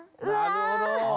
なるほど。